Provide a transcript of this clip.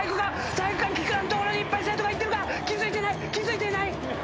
体育館菊田の所にいっぱい生徒が行っているが気付いていない気付いていない。